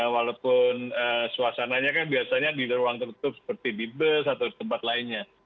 walaupun suasananya kan biasanya di ruang tertutup seperti di bus atau di tempat lainnya